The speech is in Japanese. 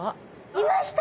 いました